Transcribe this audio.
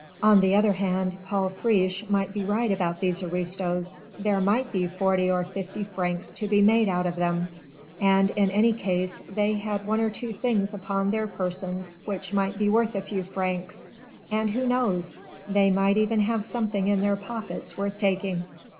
On the other hand, Paul Friche might be right about these aristos; there might be forty or fifty francs to be made out of them, and in any case they had one or two things upon their persons which might be worth a few francs and who knows? they might even have something in their pockets worth taking.